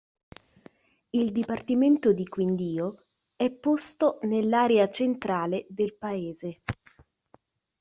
Il dipartimento di Quindío è posto nell'area centrale del paese.